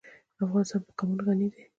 افغانستان په قومونه غني دی.